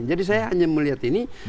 jadi saya hanya melihat ini